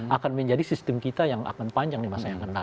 akan menjadi sistem kita yang akan panjang di masa yang akan datang